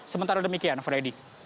sementara demikian freddy